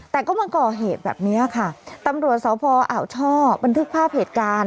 แต่ก็มาก่อเหตุแบบนี้ค่ะตำรวจสพอ่าวช่อบันทึกภาพเหตุการณ์